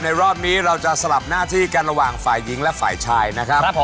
รอบนี้เราจะสลับหน้าที่กันระหว่างฝ่ายหญิงและฝ่ายชายนะครับผม